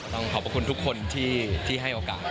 ต้องขอบพระคุณทุกคนที่ที่ให้โอกาส